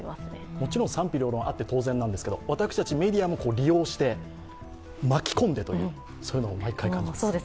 もちろん賛否両論あって当然なんですけど私たちメディアも利用して巻き込んでというのを感じます。